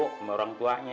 sama orang tuanya